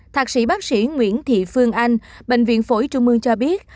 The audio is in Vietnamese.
thạc sĩ bác sĩ nguyễn thị phương anh bệnh viện phổi trung mương cho biết